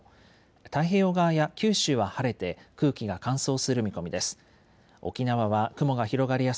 太平洋側や九州は晴れて空気が乾燥する見込みです。